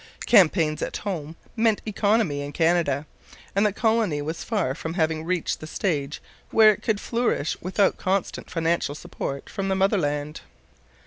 Campaigns at home meant economy in Canada, and the colony was far from having reached the stage where it could flourish without constant financial support from the motherland.